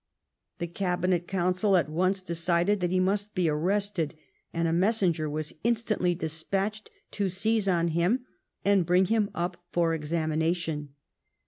The cabinet coun cil at once decided that he must be arrested, and a messenger was instantly despatched to seize on him and bring him up for examination.